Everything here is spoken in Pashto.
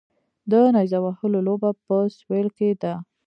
د نیزه وهلو لوبه په سویل کې ده